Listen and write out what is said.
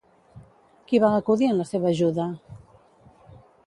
Qui va acudir en la seva ajuda?